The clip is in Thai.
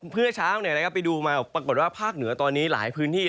เมื่อเช้าไปดูมาปรากฏว่าภาคเหนือตอนนี้หลายพื้นที่